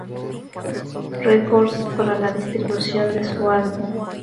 Records para la distribución de su álbum.